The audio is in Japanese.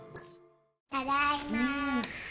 ただいま。